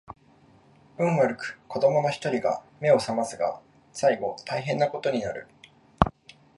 運悪く子供の一人が眼を醒ますが最後大変な事になる